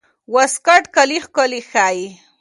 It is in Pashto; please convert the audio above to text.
واسکټ کالي ښکلي ښيي.